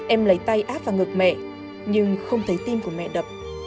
em lấy tay áp vào ngực mẹ nhưng không thấy tim của mẹ đập